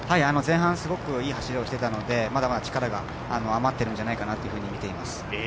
前半、すごくいい走りをしていたのでまだまだ力が余っているんじゃないかとみています。